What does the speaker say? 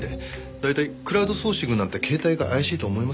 大体クラウドソーシングなんて形態が怪しいと思いません？